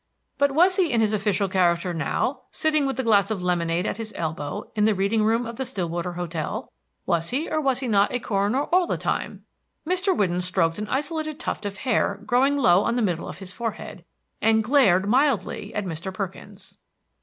But was he in his official character now, sitting with a glass of lemonade at his elbow in the reading room of the Stillwater hotel? Was he, or was he not, a coroner all the time? Mr. Whidden stroked an isolated tuft of hair growing low on the middle of his forehead, and glared mildly at Mr. Perkins.